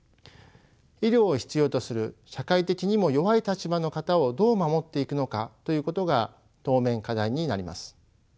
医療を必要とする社会的にも弱い立場の方をどう守っていくのかということが当面課題になります。